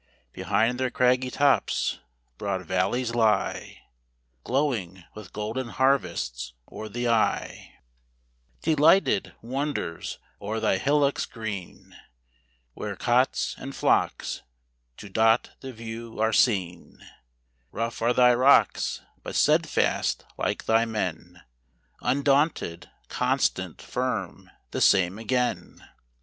Behind their craggy tops broad valleys lie, Glowing with golden harvests; or the eye Delighted wanders o'er thy hillocks green, Where cots, and flocks, to dot the view are seen; Rough are thy rocks, but steadfast like thy men; Undaunted, constant, firm, the same again.